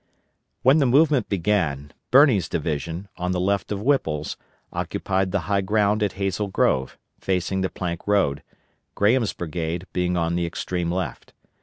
When the movement began, Birney's division, on the left of Whipple's, occupied the high ground at Hazel Grove, facing the Plank Road, Graham's brigade being on the extreme left.